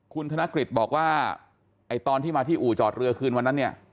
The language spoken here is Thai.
คุณธนกฤษบอกว่าไอ้ตอนที่มาที่อู่จอดเรือคืนวันนั้นเนี่ย